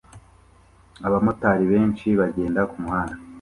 abamotari benshi bagenda kumuhanda